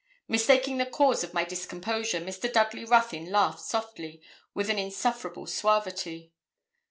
Mistaking the cause of my discomposure, Mr. Dudley Ruthyn laughed softly, with an insufferable suavity.